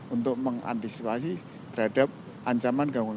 untuk mengantisipasi terhadap ancaman gangguan